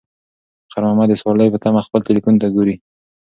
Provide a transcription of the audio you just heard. خیر محمد د سوارلۍ په تمه خپل تلیفون ته ګوري.